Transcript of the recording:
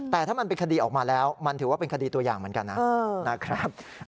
แต่ถ้ามันเป็นคดีออกมาแล้วมันถือว่าเป็นคดีตัวอย่างเหมือนกันนะครับ